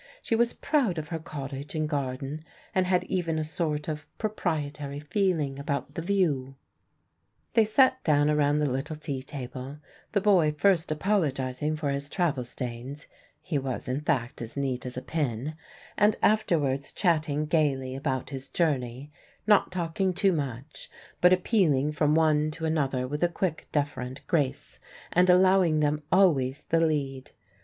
She was proud of her cottage and garden, and had even a sort of proprietary feeling about the view. They sat down around the little tea table; the boy first apologising for his travel stains (he was, in fact, as neat as a pin) and afterwards chatting gaily about his journey not talking too much, but appealing from one to another with a quick deferent grace, and allowing them always the lead.